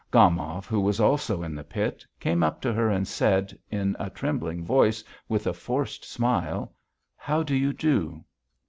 Gomov, who was also in the pit, came up to her and said in a trembling voice with a forced smile: "How do you do?"